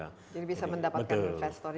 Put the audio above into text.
jadi bisa mendapatkan investor